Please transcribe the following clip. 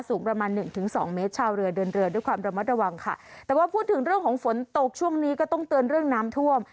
สูงประมาณหนึ่งถึงสองเมตรชาวเรือเดินเรือด้วยความระมัดระวังค่ะแต่ว่าพูดถึงเรื่องของฝนตกช่วงนี้ก็ต้องเตือนเรื่องน้ำท่วม